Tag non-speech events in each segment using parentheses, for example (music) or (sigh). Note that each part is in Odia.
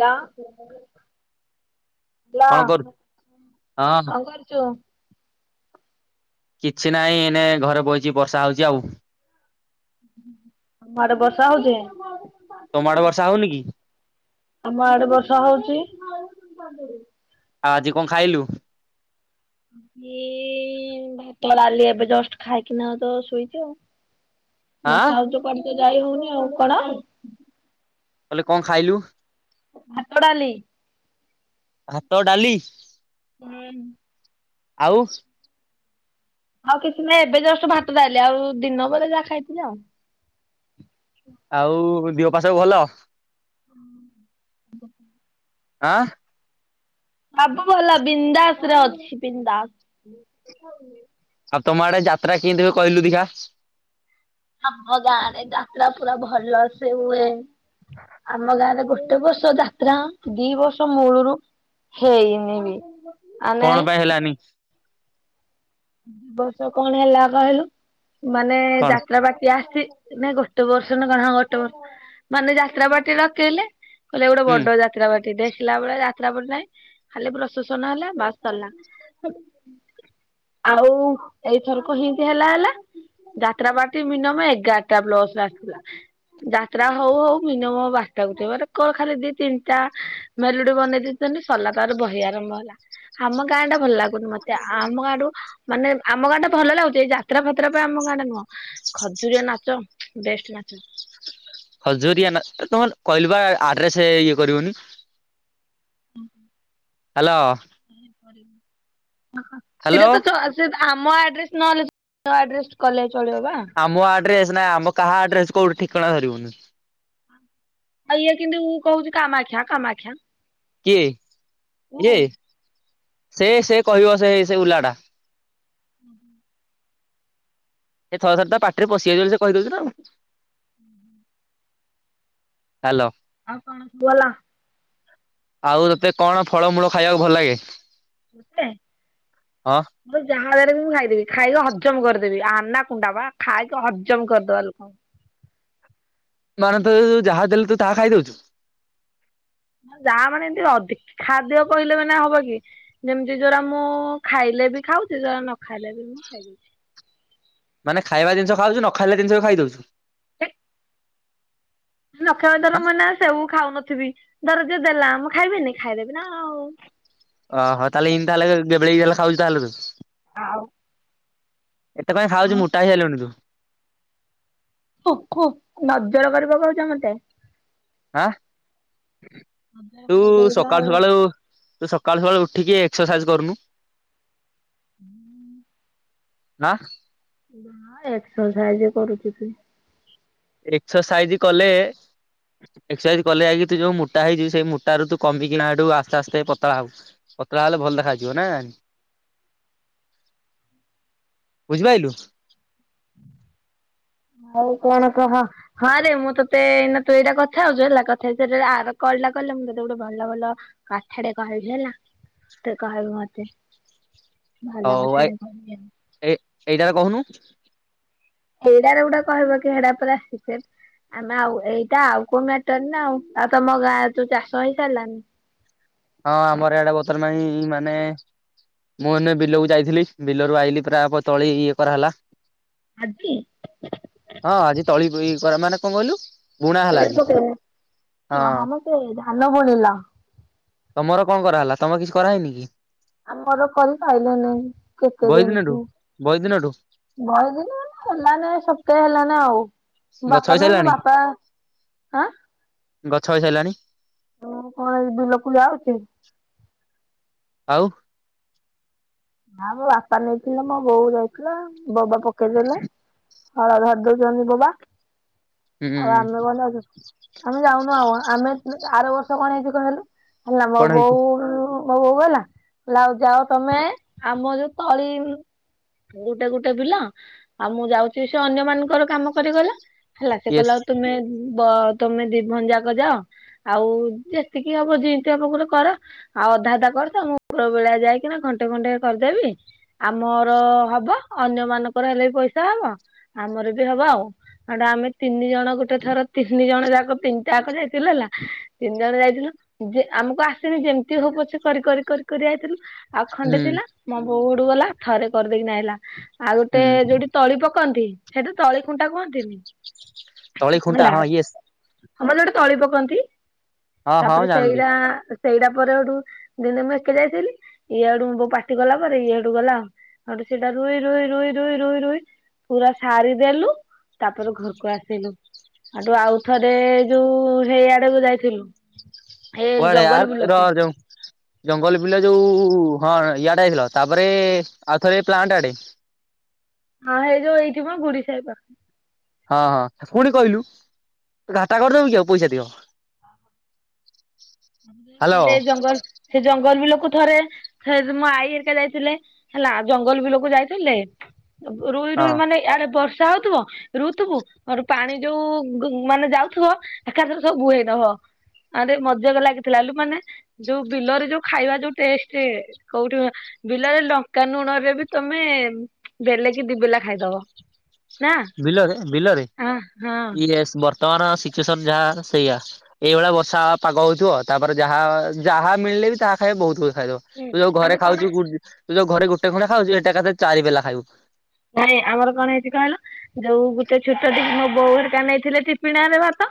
ଲା। ଲା କଣ କରୁ ହଁ କଣ କରୁଛୁ? କିଛି ନାହିଁ ଏନେ ଘରେ ବଇଛି ବର୍ଷା ହଉଛି ଆଉ। ତମଆଡ଼େ ବର୍ଷା ହଉଚି? ତମ ଆଡେ ବର୍ଷା ହଉନି କି? ଆମ ଆଡେ ବର୍ଷା ହଉଛି। (inaudible) ରେ। ଆଉ ଆଜି କଣ ଖାଇଲୁ? ଇ ଇ ଇ ଏଇ ଭାତ ଡାଲି ଏବେ ଜଷ୍ଟ ଖାଇକିନା ତ ଶୋଇଛି ଆଉ। ଆଁ ବର୍ଷା ହଉଚି କୁଆଡେ ତ ଯାଇ ହଉନି ଆଉ। କଣ? କହିଲି କଣ ଖାଇଲୁ? ଭାତ, ଡ଼ାଲି। ଭାତ, ଡାଲି ହୁଁ। ଆଉ ଆଉ କିଛି ନାହିଁ ଏବେ ଜଷ୍ଟ ଭାତ ଡାଲି ଆଉ ଦିନ ବେଳେ ଯାହା ଖାଇଥିଲି ଆଉ। ଆଉ ଦିହ ପା ସବୁ ଭଲ? ହଁ। (inaudible) ଆ ସବୁ ଭଲ ବିନ୍ଦାସ ରେ ଅଛି ବିନ୍ଦାସ। ଦେଖାହେଉନି ଆଉ ତମ ଆଡେ ଯାତ୍ରା କେମିତି ହୁଏ କହିଲୁ ଦେଖିଆ? ଆମ ଗାଁ ରେ ଯାତ୍ରା ପୁରା ଭଲ ସେ ହୁଏ। ଆମ ଗାଁରେ ଗୋଟେ ବର୍ଷ ଯା ତ୍ରା ଦି ବର୍ଷ ମୂଳରୁ ହେଇନି ବି। ଆମେ କଣ ଦି ପାଇଁ ହେଲାନି? ଏ ବର୍ଷ କଣ ହେଲା କହିଲୁ ମାନେ କଣ ଯାତ୍ରା ପାଟି ଆସିଛି ନାଇଁ ଗୋଟେ ବର୍ଷ ନ କଣ ହ ଗୋଟ ବର୍ଷ ମାନେ ଯାତ୍ରା ପାଟି ଡକେଇଲେ କହିଲେ ଗୋଟେ ହୁଁ ବଡ ଯା ଯାତ୍ରାପାର୍ଟି ଦେଖିଲା ବେଳେ ଯାତ୍ରା ପାର୍ଟି ନାହିଁ ଖାଲି ପ୍ରସେସନ ହେଲା ବାସ୍ ସରିଲା। ଆଉ ଏଇଥରକ ହେମତି ହେଲା ହେଲା ଯାତ୍ରାପାର୍ଟି ମିନିମମ୍ ଏଗାରଟା ବସ୍ ରେ ଆସିଥିଲା। ଯାତ୍ରା ହଉ ହଉ ମିନିମମ୍ ବାରଟା ଗୋଟେ କଣ ଖାଲି ଦି ତିନିଟା ମେଲୋଡି ବନେଇ ଦେଇଛନ୍ତିି ସରିଲା ତାର ବହି ଆରମ୍ଭ ହେଲା ଆମ ଗାଁ ଟା ଭଲ ଲାଗୁନି ମତେ ଆମ ଗାଁଠୁ ମାନେ ଆମ ଗାଁ ଟା ଭଲ ଲାଗୁଛି ଏଇ ଯାତ୍ରା ଫାତ୍ରା ପାଇଁ ଆମ ଗାଁଟା ନୁହଁ। ଖଜୁରୀଆ ନାଚ ବେଷ୍ଟ ନାଚ। ହଜୁରିଆ ନା ତମେ କହିଲି ବା ଆଡ୍ରେସେ ଇଏ କରିବନି। ହୁଁ। ହ୍ୟାଲୋ। କରିବନି ଓହୋ ହ୍ୟାଲୋ ସେଇଟା ତ ଚ ସେ ଆମ ଆଡ୍ରେସେ ନହେଲେ ବି ଆଡ୍ରେସ କଲେ ଚଳିବ ବା। ଆମ ଆଡ୍ରେସେ ନାଁ ଆମ କାହା ଆଡ୍ରେସ କୋଉଠି ଠିକଣା ଧରିବୁନି। ଆଉ ଇଏ କିନ୍ତୁ ଉଁ କହୁଛି କାମାକ୍ଷା କାମାକ୍ଷା। କିଏ ଇଏ ସେ ସେ କହିବ ସେଇ ସେ ଉଲା ଟା। ହୁଁ ହୁଁ। ଏ ଥରେ ଥରେ ତା ପାଟିରେ ପଶିଯାଉଛି ବୋଲି ସେ କହିଦଉଛି ନା ଆଉ। ହ୍ୟାଲୋ। ଆଉ କଣ ସବୁ ଭଲ। ଆଉ ତତେ କଣ ଫଳମୂଳ ଖାଇବାକୁ ଭଲ ଲାଗେ? ମତେ? ହଁ ମୋତେ ଯାହାଦାରରେ ମୁଁ ଖାଇଦେବି ଖାଇକି ହଜମ କରିଦେବି ଆନା କୁଣ୍ଡା ବା ଖାଇକି ହଜମ କରିଦବା ଲୋକ। ମାନେ ତତେ ଯାହା ଦେଲୁ ତୁ ତାହା ଖାଇଦଉଚୁ। ଯାହା ମାନେ ଏମିତି ଅଧିକ ଖାଦ୍ୟ କହିଲେ ମାନେ ହବ କି ଯେମିତି ଯଉରା ମୁଁ ଖାଇଲେ ବି ଖାଉଛି ଯୋଉରା ନ ଖାଇଲେ ବି ମୁଁ ଖାଇଦଉଚି। ମାନେ ଖାଇବା ଜିନିଷ ଖାଉଚୁ ନ ଖାଇଲା ଜିନିଷ ବି ଖାଇ ଦଉଚୁ? (unintelligible) ନ ଖାଇବ ଧର ଆଁ ମୁଁ ଏନା ସେଉ ଖାଉନଥିବି ଧର ଯିଏ ଦେଲା ମୁଁ ଖାଇବିନି ଖାଇଦେବି ନା ଆଉ। ଓହୋ ତାହେଲେ ଏନ୍ତି ତାହାଲେ ଗେବେଲେଇକି ହେଲେ ଖାଉଚୁ ତାହେଲେ ତୁ। ଆଉ ଏତେ କାଇଁ ଖାଉଚୁ ମୋଟା ହେଇଗଲଣି ତୁ। ଥୁ ଥୁ ନଜର କରିପକଉଚ ମୋତେ। ଆଁ ନଜର ତୁ କରି ଦଉଛ ସକାଳୁ ଆଉ। ସକାଳୁ ତୁ ସକାଳୁ ସକାଳୁ ଉଠିକି ଏକ୍ସସାସାଇଜ୍ କରୁନୁ। ହୁଁ। ଆଁ? ହଁ ଏକ୍ସସାଇଜ କରୁଚି କିଏ? ଏକ୍ସୋସାଇଜ୍ କଲେ ଏକ୍ସୋସାଇଜ୍ କଲେ ଯାଇକି ତୁ ଯୋଉ ମୋଟା ହେଇଚୁ ସେଇ ମୋଟାରୁ ତୁ କମିକିନା ସେଠୁ ଆସ୍ତେ ଆସ୍ତେ ପତଳା ହବୁ। ପତଳା ହେଲେ ଭଲ ଦେଖା ଯିବ ନା। ବୁଝିପାଇଲୁ। ଆଉ କଣ କହ। ହଁ ରେ ମୁଁ ତତେ ଏଇନା ତୁ ଏଇଟା କଥା ହେଉଚୁ ହେଲା କଥା ହେଇସରିଲେ ଆର କଲଟା କଲେ ମୁଁ ତତେ ଗୋଟେ ଭଲ ଭଲ କାଥା ଟେ କହିବି ହେଲା ତୁ କହିବୁ ମତେ। ଭଲ ହଉ ଆଈ କଥାଟେ କହିବି ଆଉ। ଏଇ ଏଇଟାରେ କହୁନୁ। ଏଇଟାରେ ଗୋଟେ କହିବ କି ସେଟା ପରା ସିକ୍ରେଟ। ଆମେ ଆଉ ଏଇଟା ଆଉ କୋଉ ମ୍ୟାଟର ନା ଆଉ ଆଉ ତମ ଗାଁରେ ଯୋଉ ଚାଷ ହେଇ ସାରିଲାନି? ହଁ ଆମର ଏଇଡେ (unintelligible) ପାଇଁ ମାନେ ମୁଁ ଏନେ ବିଲକୁ ଯାଇଥିଲି, ବିଲରୁ ଆଇଲିି ପୁରା ତଳି ଇଏ କରାଗଲା। ଆଜି? ହଁ, ଆଜି ତଳି ବୁଇ ମାନେ କଣ କହିଲୁ ବୁଣା ହେଲା ଆଜି ହଁ। ଏଇ ଧାନ ବୁଣିଲ। ତମର କଣ କରାହେଲା ତମେ କିଛି କରାହେଇନି କି? ଆମର କରି ସାଇଲେନୀ କେତେ ଦିନଠୁ। ବହି ଦିନଠୁ ବହେଦିନ ହେଲାନୀ ସପ୍ତାହେ ହେଲାନି ଆଉ। ଗଛ ବାପା ନୁହଁ ମୋ ହେଇସାରିଲାଣି ବାପା ଆଁ ଗଛ ହେଇସାରିଲାଣି? ମୁଁ କଣ ବିଲକୁ ଯାଉଚି। ଆଉ? ନା ମୋ ବାପା ନେଇଥିଲେ, ମୋ ବୋଉ ଯାଇଥିଲା, ବୋବା ପକେଇଦେଲେ। ହଳ ଧରି ଦଉଚନ୍ତି ବୋବା ହୁଁ ଆଉ ଆମେ ଗନେ ଆମେ ଯାଉନୁ ଆଉ, ଆମେ ଆର ବର୍ଷ କଣ ହେଇଚି କହଲୁ ହେଲା ମୋ କଣ ବୋଉ ହେଇଛି ମୋ ବୋଉ କହିଲା କହିଲା ଆଉ ଯାଅ ତମେ ଆମ ଯୋଉ ତଳି ଏଇଟା ଗୋଟେ ବିଲ ଆଉ ମୁଁ ଯାଉଚି ସେ ଅନ୍ୟ ମାନଙ୍କର କାମ କରିଗଲା। ହେଲା, ସେ ୟେସ୍ କହିଲା ଆଉ ତମେ ତମେ ଦି ଭଉଣୀ ଯାକ ଯାଅ। ଆଉ ଯେତିକି ହବ, ଦିଟା ଗୋଟେ କର। ଆଉ ଅଧା ଅଧା କରିଥାଅ, ମୁଁ ଉପର ବେଳିଆ ଯାଇକିନା ଘଣ୍ଟେ ଘଣ୍ଟେ କରିଦେବି। ଆମର ହବ, ଅନ୍ୟ ମାନଙ୍କର ହେଲେ ବି ପଇସା ହବ। ଆମର ବି ହବ ଆଉ, ସେଇଠୁ ଆମେ ତିନି ଜଣ ଗୋଟେ ଥର ତିନି ଜଣ ଯାକ ତିନି ଯାକ ଯାଇଥିଲୁ ହେଲା, ତିନି ଜଣ ଯାଇଥିଲୁ। ଯେ ଆମକୁ ଆସନି, ଯେମିତି ହଉ ପଛେ କରି କରି କରି କରି ଆଇଥିଲୁ। ଆଉ ଖଣ୍ଡେ ହୁଁ ଥିଲା, ମୋ ବୋଉ ସେଉଠୁ ଗଲା, ଥରେ କରିଦେଇକିନା ଆଇଲା। ଆଉ ଗୋଟେ ହୁଁ ଯୋଉଠି ତଳି ପକନ୍ତି, ସେଇଠି ତଳି ଖୁଣ୍ଟା କୁହନ୍ତିନି। ତଳି ଖୁଣ୍ଟା ହେଲା ହଁ ୟେସ୍ ହଁ ମ ଯୋଉଠି ତଳି ପକନ୍ତି। ହଁ ହଁ ତାପରେ ଜାଣିଲି ସେଇଟା ସେଇଟା ପରେ ସେଇଠୁ ଦିନେ ମୁଁ ଏକା ଯାଇଥିଲି। ଇଆଡୁ ମୋ ପା ସେଇଠୁ ଗଲା ପରେ ଇଏଠୁ ଗଲା। ଆଗ ସେଇଟା ରୋଇ ରୋଇ ରୋଇ ରୋଇ ରୋଇ ରୋଇ ପୁରା ସାରି ଦେଲୁ, ତାପରେ ଘରକୁ ଆସିଲୁ। ସେଇଠୁ ଆଉଥରେ ଯୋଉ ହେଇ ଆଡକୁ ଯାଇଥିଲୁ। ଏ କୁଆଡେ ଜଙ୍ଗଲ ଆର ରହ ବୁଲକୁ। ଯେଉଁ। ଜଙ୍ଗଲ ବିଲ ଯୋଉ ହଁ ଇଆଡେ ଯାଇଥିଲ। ତାପରେ ଆଉ ଥରେ ପ୍ଲାଣ୍ଟ ଆଡେ। ହଁ ଏଇ ଯୋଉ ଏଇଠି ମ, ବୁଡି ସାଇ ପାଖ। ହଁ, ହଁ, ପୁଣି କହିଲୁ ଘାଟା କରିଦବୁ କି ଆଉ, ପଇସା ତିକ। (inaudible) ହ୍ୟାଲୋ ହେଲେ ଜଙ୍ଗଲ୍ ସେ ଜଙ୍ଗଲ ବି ଲୋକ ଥରେ ହେ ମୋ ଆଈ ହେରିକା ଯାଇଥିଲେ ହେଲା ଜଙ୍ଗଲ ବି ଲୋକ ଯାଇଥିଲେ। ରୁଇ ହଁ ରୁଇ ମାନେ ଇଆଡେ ବର୍ଷା ହଉଥିବ। ରୁଉ ଥୁବୁ ଅର୍ ପାଣି ଯୋଉ ମାନେ ଯାଉଥୁବ ଏକାଥରେ ସବୁ ବୁହେଇ ଦବ। ଆରେ ମଜାକ୍ ଲାଗିଥିଲା ଏଲୁ ମାନେ ଯୋଉ ବିଲରେ ଯୋଉ ଖାଇବା ଯୋଉ ଟେଷ୍ଟେ କୋଉଠି ବିଲରେ ଲଙ୍କା ନୁଣ ରେ ବି ତମେ ବେଲେ କି ଦି ବେଲା ଖାଇଦବ। ନା ବିଲରେ ବିଲରେ ହଁ ହଁ ଇଏସ୍ ବର୍ତ୍ତମାନ ସିଚୁଏସନ୍ ଯାହା ସେଇଆ। ଏଇଭଳିଆ ବର୍ଷା ପାଗ ହଉଥିବ ତାପରେ ଯାହା ଯାହା ମିଳିଲେ ବି ତାହା ଖାଇବା ବହୁତ୍ ବହୁତ୍ ଖାଇଦବ। ତୁ ଯୋଉ ଘରେ ଆମେ କଣ ଖାଉଛୁ ତୁ ଯୋଉ ଘରେ ଗୋଟେ ଖଣ୍ଡେ ଖାଉଛୁ ଏଟା ଏକାଥରେ ଚାରି ବେଲା ଖାଇବୁ। ନାଇଁ ଆମର କଣ ହେଇଛି କହିଲ ଯୋଉ ଗୋଟେ ଛୋଟ ଟିକେ ମୋ ବୋଉ ହେରିକା ନେଇଥିଲେ ଟିପିଣି ରେ ଭାତ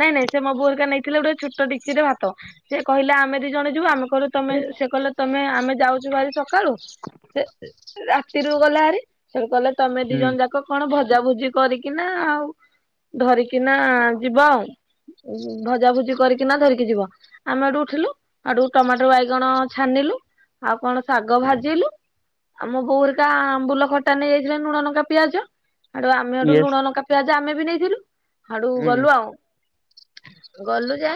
ନାଇଁ ନାଇଁ ସେ ମୋ ବୋଉ ହେରିକା ନେଇଥିଲେ ଗୋଟେ ଛୋଟ ଟିକ୍ଚିରେ ଭାତ ସେ କହିଲା ଆମେ ଦି ଜଣ ଯିବୁ ଆମ ତମେ ସେ କହିଲ ତମେ ଆମେ ଯାଉଛୁ ଭାରି ସକାଳୁ ସେ ରାତିରୁ ଗଲା ଭାରି ସେଠୁ କହିଲେ ତମେ ଦି ହୁଁ। ଜଣ ଯାକ କଣ ଭଜାଭୁଜି କରିକି ନା ଆଉ ଧରିକି କିନା ଯିବ ଆଉ ଭଜାଭୁଜି କରିକିନା ଧରିକି ଯିବ। ଆମେ ଏଠୁ ଉଠିଲୁ ହେଟୁ ଟମାଟ ବାଇଗଣ ଛାଣିଦେଲୁ ଆଉ କଣ ଶାଗ ଭାଜିଲୁ ଆମ ବୋଉ ହେରିକା ଆମ୍ବୁଲ ଖ ଟା ନେଇଯାଇଥିଲେ ଲୁଣ ନଙ୍କା ପିଆଜ ହାଡୁ ଆମେ ହେଠୁ ୟେସ୍ ଲୁଣ ଲଙ୍କା ପିଆଜ ଆମେ ବି ନେଇଥିଲୁ। ହାଡୁ ହୁଁ ଗଲୁ ଆଉ (inaudible) ଗଲୁ ଯେ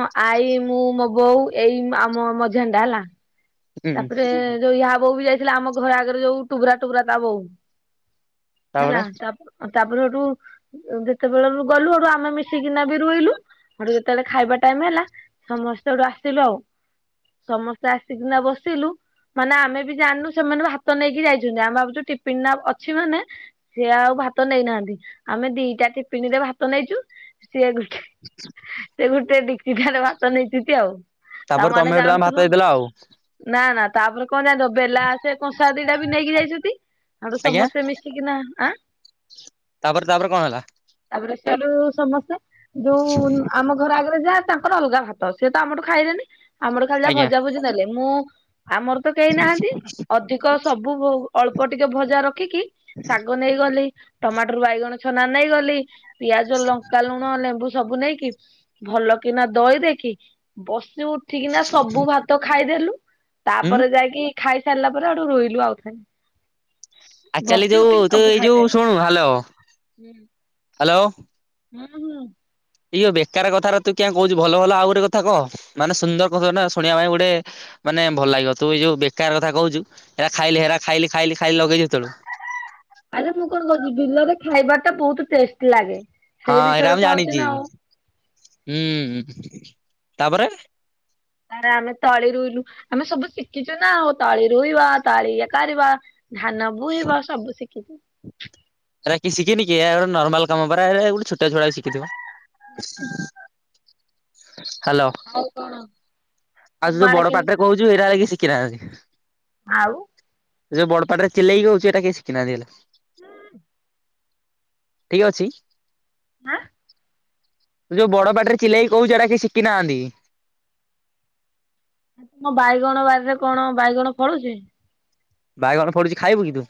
ମୋ ଆଈ ମୁଁ ମୋ ବୋଉ ଏଇ ଆମ ମଝିଆଣିଟା ହେଲା ହୁଁ ତାପରେ ଯୋଉ ୟା ବୋଉ ବି ଯାଇଥିଲା ଆମ ଘର ଆଗରେ ଯୋଉ ଟୁବୁରା ଟୁବୁରା ତା ବୋଉ ହେଲା ତାପରେ ତାପ୍ ତାପରେ ହେଠୁ ଯେତେବେଳେ ଲୁ ଗଲୁ ଏଡୁ ଆମେ ମିଶିକିନା ବି ରଇଲୁ। ହେଠୁ ଯେତେବେଳେ ଖାଇବା ଟାଇମ ହେଲା ସମସ୍ତେ ହେଠୁ ଆସିଲୁ ଆଉ ସମସ୍ତେ ଆସିକିନା ବସ ସିଲୁ ମାନେ ଆମେ ବି ଜାଣିନୁ ସେମାନେ ବି ଭାତ ନେଇକି ଯାଇଛନ୍ତି ଆମେ ଭାବୁଛୁ ଟିଫିନ୍ ଟା ଅଛି ମାନେ ସିଏ ଆଉ ଭାତ ନେଇନାହାନ୍ତି ଆମେ ଦିଟା ଟିପିନିରେ ଭାତ ନେଇଛୁ ସିଏବି (inaudible) ସେ ଗୋଟେ ଡିକ୍ଚି ଟାରେ ଭାତ ନେଇଚିନ୍ତି ଆଉ ତା ତାପରେ ତମେ ମାନେ ଗୋଟେ ତାଙ୍କୁ ଭାତ ଜାଣୁଥୁବ ଦେଇଦେଲ ଆଉ। ନା ନା ତାପରେ କଣ ଜାଣିଚ ବେଲା ସେ କଂସା ଦିଟା ବି ନେଇକି ଯାଇଛନ୍ତି ହେଠୁ ଆଜ୍ଞା ସମସ୍ତେ ମିଶି ମିଶିକିନା ଆଁ। ତାପରେ ତାପରେ କଣ ହେଲା? ତାପରେ ସରୁ ସମସ୍ତେ ଯୋଉ ଆମ ଘର ଆଗରେ ଯାଆ ତା ଅଲଗା ଭାତ ସିଏ ତ ଆମଠୁ ଖାଇଲେନି ଆମଠୁ ଖାଲି ଯାହା ଆଜ୍ଞା ଭଜାଭୁଜି ନେଲେ ମୁଁ ଆମର ତ କେହି ନାହାନ୍ତି ଅଧିକ ସବୁ ଅଳ୍ପ ଟିକେ ଭଜା ରଖିକି ଶାଗ ନେଇଗଲି ଟମାଟୋରୁ ବାଇଗଣ ଛନା ନେଇଗଲି ପିଆଜ ଲଙ୍କା ଲୁଣ ନେମ୍ବୁ ସବୁ ନେଇକି ଭଲ କିନା ଦଇ ଦେଇକି ବସି ଉଠିକିନା ସବୁ ଭାତ ଖାଇଦେଲୁ। ହୁଁ ତାପରେ ଯାଇକି ଖାଇ ସାରିଲା ପରେ ହେଟୁ ରୁଇଲୁ ଆଉ। ଆକ୍ଚାଲି ବସି ଯୋଉ ଉଠିକି ତୁ ସବୁ ଏ ଯୋଉ ଖାଇଦେଲୁ। ଶୁଣୁ ହାଲୋ, ହାଲୋ। ହୁଁ ହୁଁ। ଇଅ ବେକାର କଥାର ତୁ କିଆଁ କହୁଚୁ ଭଲ ଭଲ ଆଉ ଗୋଟେ କଥା କହ ମାନେ ସୁନ୍ଦର କଥା ଶୁଣିବା ପାଇଁ ଗୋଟେ ମାନେ ଭଲ ଲାଗିବ ତୁ ଏଇ ଯୋଉ ବେକାର କଥା କହୁଛୁ ହେରା ଖାଇଲି ହେରା ଖାଇଲି, ଖାଇଲି, ଖାଇଲି, ଲଗେଇଛୁ ହେତେଳୁ। ଆରେ ମୁଁ କଣ କହୁଛି ବିଲରେ ଖାଇବା ଟା ବହୁତୁ ଟେଷ୍ଟେ ଲାଗେ। ହଁ ସେଇ ଏରା ବିଷୟରେ ମୁଁ କହୁଛି ଜାଣିଚି ନା ଆଉ। ହୁଁ ହୁଁ ତାପରେ ତାରେ ଆମେ ତଳି ରୁଇଲୁ ଆମେ ସବୁ ଶିଖିଛୁ ନା ଆଉ ତଳି ରୁଇବା ତଳି ଇଏ କରିବା। ଧାନ ବୁଇବ ସବୁ ଶିଖିଚୁ। ଏରା କିିଏ ଶିଖିନି କି ଏରା ନର୍ମାଲ କାମ ପରା ଗୋଟେ ଛୋଟଛୁଆ ଶିଖିଥିବ। ହାଲୋ। ଆଉ କଣ? ଆଉ ତମ ଯୋଉ ଆଡେ ବଡ ପାଟିରେ କେମିତି କହୁଚୁ ଏଇରା ହେ କିି ଶିଖିନାହାନ୍ତି। ଆଉ। ଯୋଉ ବଡପାଟିରେ ଚିଲେଇକି ହଉଚୁ ଏଟା କିଏ ଶିଖିନାହାନ୍ତି ହେଲେ। ହୁଁ। ଠିକ୍ ଅଛି। ଆଁ। ତୁ ଯୋଉ ବଡ ପାଟିରେ ଚିଲେଇକି କହୁଚୁ ହେଟା କେହି ଶିଖିନାହାନ୍ତି। ମୋ ବାଇଗଣ ବାରିରେ କଣ ବାଇଗଣ ଫଳୁଛି? ବାଇଗଣ ଫଳୁଛି ଖାଇବୁ କି ତୁ?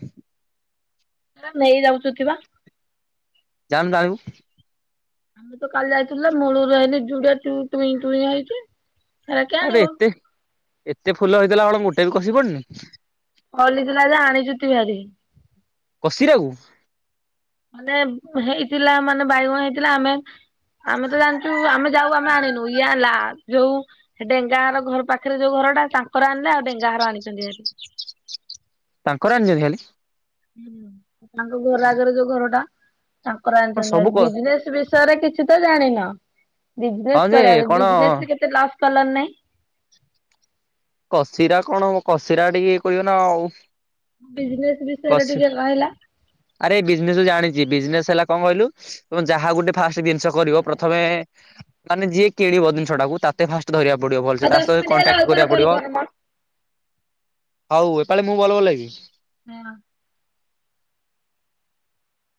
ନେଇଯାଉଚନ୍ତି ବା। ଯାଉନୁ ତୂ ଆଣିବୁ। ତୁ ତ କାଲି ଯାଇଥିଲୁଯେ ମୂଳରୁ ଆଇଲୁନେହି ଝୁଡେ ଚୁଇଁ ଚଇଁ ଆଣିଚୁ। ଆରେ ଏତେ ଏତେ ଫୁଲ ହେଇଥିଲା କଣ ମୋଟେ ବି କସୀ ପଡନି? ଫଲିଥିଲା ଯେ ଆଣିଚୁ ତୁ ଭାରି। କସିରାକୁ଼। ମାନେ ହେଇଥିଲା ମାନେ ବାଇଗଣ ହେଇଥିଲା ଆମେ ଆମେ ତ ଜାଣିଚୁ ଆମେ ଯାଉ ଆମେ ଆଣିନୋହୁ ଇଏ ଆଣିଲା। ଯୋଉ ଡେଙ୍ଗାହର ଘର ପାଖରେ ଯୋଉ ଘରଟା ତାଙ୍କର ଆଣିଲେ ଆଉ ଡେଙ୍ଗାଘର ଆଣିଚନ୍ତି ଭାରି। ତାଙ୍କର ଅଣିଚନ୍ତି ଖାଲି? ତାଙ୍କ ଘର ଆଗରେ ଯୋଉ ଘରଟା ତାଙ୍କର କଣ ସବୁ ଆଣିଛନ୍ତି କ ବିଜନେସ ବିଷୟରେ କିଛି ତ ଜାଣିନ। ହଁ ବିଜନେସ୍ ଯେ କର କଣ ବିଜନେସରେ କେତେ ଲସ୍ କଲଣି ନାଇଁ। କସିରା କଣ କସିରା ଟିକେ ଇଏ କହିବ ନା ଆଉ। ବିଜନେସ୍ ବିଷୟରେ କସି ଟିକେ କହିଲ? ଆରେ ବିଜନେସ ଜାଣିଛି ବିଜନେସ ହେଲା କଣ କହିଲୁ ତ ଯାହା ଗୋଟେ ଫାଷ୍ଟ ଜିନିଷ କରିବ ପ୍ରଥମେ ମାନେ ଯିଏ କିଣିବ ଜିନିଷ ଟାକୁ ତାତେ ଫାଷ୍ଟ ଧରିବାକୁ ପଡିବ ଆଉ ଭଲସେ ତା ଦଶ ସହିତ ମିନିଟ୍ ହେଲା ଆଉ କଣ୍ଟାକ୍ଟ ଥରେ କରିବାକୁ କଲ୍ ପଡିବ। କର ମ। ହଉ ଏପାଳି ମୁଁ ଭଲ ବଳ ହେବି। ହଁ।